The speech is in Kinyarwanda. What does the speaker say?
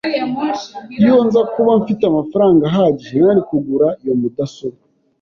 Iyo nza kuba mfite amafaranga ahagije, nari kugura iyo mudasobwa.